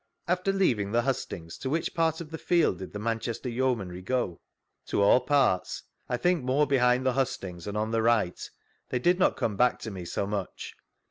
After leaving the hustings, to which part of the field did the Manchester Yeomamr go?— To all parts, I think more behind the hustings, and on the right; they did not come back to me so much.